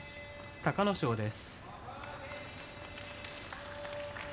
隆の勝です。